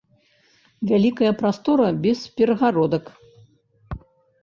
Вялікая прастора без перагародак.